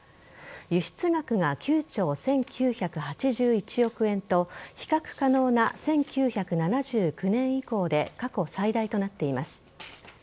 輸出額が９兆１９８１億円と比較可能な１９７９年以降で過去最大となっています。